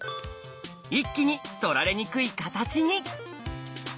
一気に取られにくいカタチに。